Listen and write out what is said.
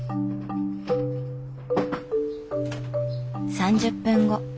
３０分後。